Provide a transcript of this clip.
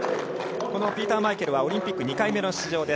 このピーター・マイケルはオリンピック２回目の出場。